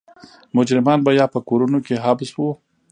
مجرمان به یا په کورونو کې حبس وو.